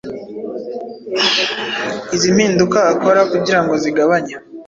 Izi mpinduka akora kugirango zigabanye